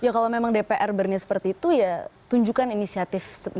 ya kalau memang dpr berniat seperti itu ya tunjukkan inisiatif